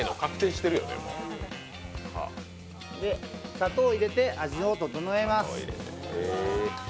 砂糖を入れて味を整えます。